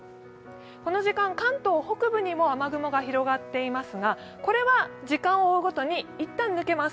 この時間、関東北部にも雨雲が広がっていますがこれは時間を追うごとに一旦抜けます。